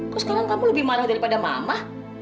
kok sekarang kamu lebih marah daripada mama